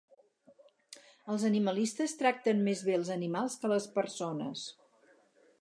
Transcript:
Els animalistes tracten més bé els animals que les persones